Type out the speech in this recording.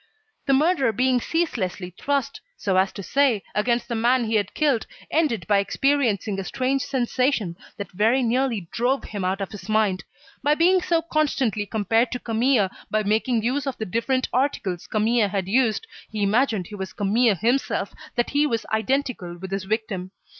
The murderer being ceaselessly thrust, so to say, against the man he had killed, ended by experiencing a strange sensation that very nearly drove him out of his mind. By being so constantly compared to Camille, by making use of the different articles Camille had used, he imagined he was Camille himself, that he was identical with his victim.